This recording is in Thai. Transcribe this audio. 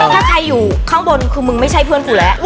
ถ้าใครอยู่ข้างบนคือมึงไม่ใช่เพื่อนกูแล้ว